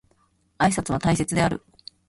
挨拶は大切である